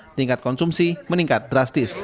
tingkat konsumsi meningkat drastis